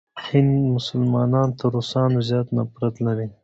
د هند مسلمانان تر روسانو زیات نفرت لري.